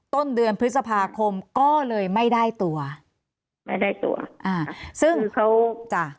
ต้นเดือนพฤษภาคมก็เลยไม่ได้ตัวไม่ได้ตัวอ่าซึ่งเขาจ้ะ